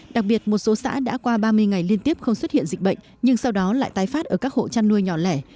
đặc biệt một số xã đã qua ba mươi ngày liên tiếp không xuất hiện dịch bệnh nhưng sau đó lại tái phát ở các hộ chăn nuôi nhỏ lẻ